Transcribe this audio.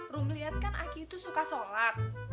rom liat kan aki itu suka sholat